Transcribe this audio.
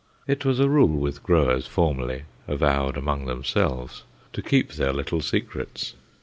It was a rule with growers formerly, avowed among themselves, to keep their little secrets.